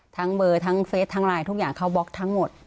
เบอร์ทั้งเฟสทั้งไลน์ทุกอย่างเขาบล็อกทั้งหมด